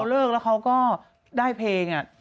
เลิกแล้วเขาก็ได้เพลง